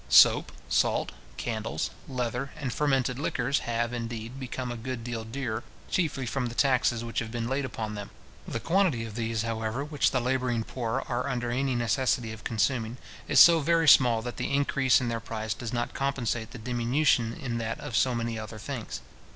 Soap, salt, candles, leather, and fermented liquors, have, indeed, become a good deal dearer, chiefly from the taxes which have been laid upon them. The quantity of these, however, which the labouring poor are under any necessity of consuming, is so very small, that the increase in their price does not compensate the diminution in that of so many other things.